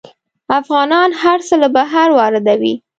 افغانان هر څه له بهر واردوي.